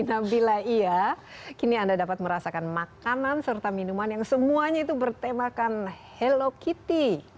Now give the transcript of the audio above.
nah bila iya kini anda dapat merasakan makanan serta minuman yang semuanya itu bertemakan hello kitty